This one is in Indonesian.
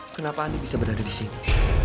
kenapa anda bisa berada di sini